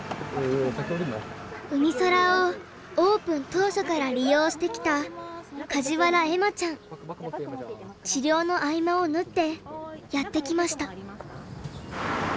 うみそらをオープン当初から利用してきた治療の合間を縫ってやって来ました。